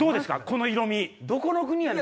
この色味。